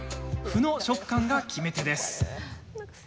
麩の食感が決め手です。